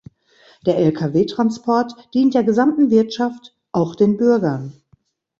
Der Lkw-Transport dient der gesamten Wirtschaft, auch den Bürgern.